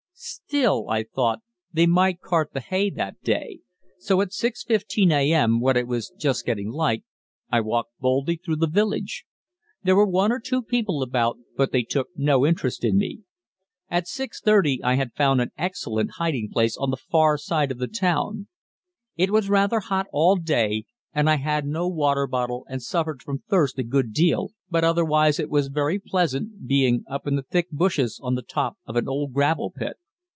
Still, I thought, they might cart the hay that day; so at 6.15 a.m., when it was just getting light, I walked boldly through the village. There were one or two people about, but they took no interest in me. At 6.30 I had found an excellent hiding place on the far side of the town. It was rather hot all day, and I had no water bottle and suffered from thirst a good deal, but otherwise it was very pleasant, being up in the thick bushes on the top of an old gravel pit.